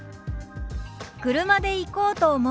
「車で行こうと思う」。